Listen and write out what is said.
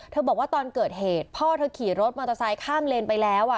บอกว่าตอนเกิดเหตุพ่อเธอขี่รถมอเตอร์ไซค์ข้ามเลนไปแล้ว